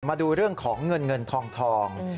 มาดูเรื่องของเงินเงินทอง